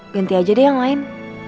ganti aja deh yang lain